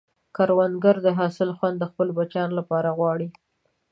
کروندګر د حاصل خوند د خپلو بچیانو لپاره غواړي